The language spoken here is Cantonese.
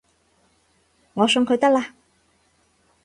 我送佢得喇